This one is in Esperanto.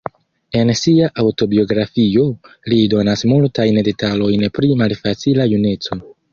En sia aŭtobiografio, li donas multajn detalojn pri malfacila juneco.